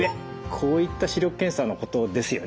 こういった視力検査のことですよね？